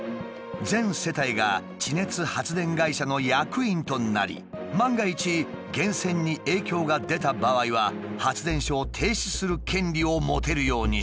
全世帯が地熱発電会社の役員となり万が一源泉に影響が出た場合は発電所を停止する権利を持てるようにしたのだ。